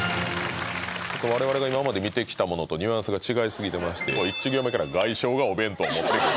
我々が今まで見てきたものとニュアンスが違い過ぎてまして１行目から「外商がお弁当を持ってくる」